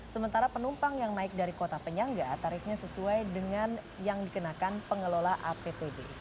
sementara penumpang yang naik dari kota penyangga tarifnya sesuai dengan yang dikenakan pengelola appd